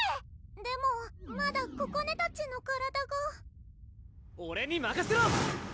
でもまだここねたちの体がオレにまかせろ！